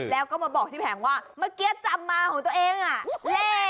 แล้วก็มาบอกที่แผงว่าเมื่อกี้จำมาของตัวเอง